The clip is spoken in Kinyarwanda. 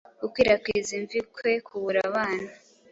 Gukwirakwiza imvi kwe, kubura abana